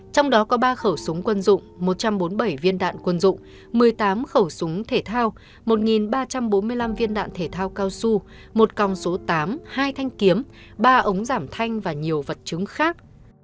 trong đó có ba khẩu súng quân dụng một trăm bốn mươi bảy viên đạn quân dụng một mươi tám khẩu súng thể thao một ba trăm bốn mươi năm viên đạn thể thao cao su một còng số tám hai thanh kiếm ba ống giảm thanh và nhiều vật chứng khác